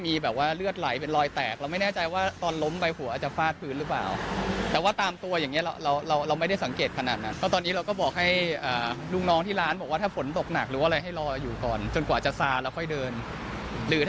ไม่เป็นอะไรมากยังหายใจอยู่